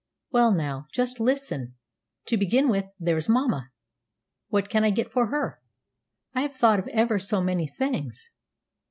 "Well, now, just listen. To begin with, there's mamma. What can I get for her? I have thought of ever so many things.